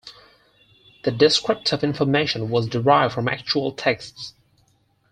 The descriptive information was derived from actual texts.